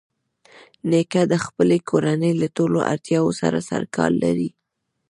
نیکه د خپلې کورنۍ له ټولو اړتیاوو سره سرکار لري.